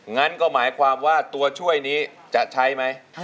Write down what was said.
งั้นก็หมายความว่าตัวช่วยนี้จะใช้ไหม